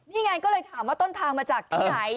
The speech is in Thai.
นี่ไงก็เลยถามว่าต้นทางมาจากที่ไหน